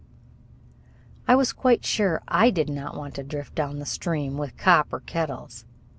I was quite sure I did not want to drift down the stream with copper kettles.